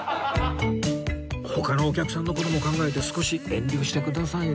他のお客さんの事も考えて少し遠慮してくださいね